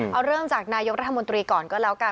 เอาเรื่องจากนายกรัฐมนตรีก่อนก็แล้วกัน